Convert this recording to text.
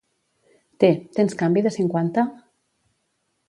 Té, tens canvi de cinquanta?